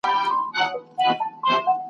په سپین سر ململ پر سر !.